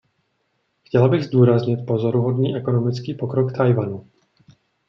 Chtěla bych zdůraznit pozoruhodný ekonomický pokrok Tchaj-wanu.